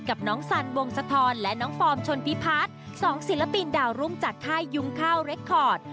กับน้องสันวงสะทอนและน้องฟอร์มชนพิพัฒน์๒ศิลปินดาวรุ่งจากค่ายยุงข้าวเรคคอร์ด